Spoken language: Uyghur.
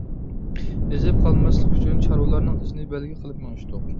ئېزىپ قالماسلىق ئۈچۈن چارۋىلارنىڭ ئىزىنى بەلگە قىلىپ مېڭىشتۇق.